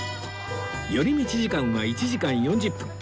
寄り道時間は１時間４０分